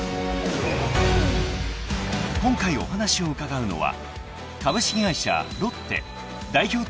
［今回お話を伺うのは］